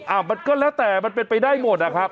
มันก็แล้วแต่มันเป็นไปได้หมดนะครับ